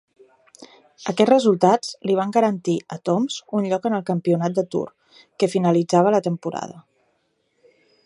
Aquests resultats li van garantir a Toms un lloc en el Campionat de Tour que finalitzava la temporada.